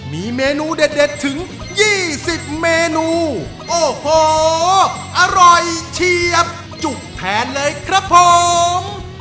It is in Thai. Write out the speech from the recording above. มีเมนูเด็ดถึง๒๐เมนูโอ้โหอร่อยเฉียบจุกแทนเลยครับผม